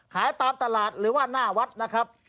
ขายตามตลาดหรือว่าหน้าวัดนะครับ